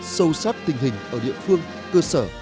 sâu sát tình hình ở địa phương cơ sở